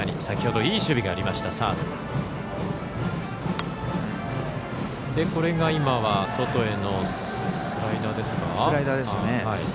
先ほどいい守備がありましたサード。